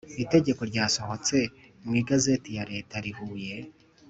itegeko ryasohotse mu Igazeti ya Leta rihuye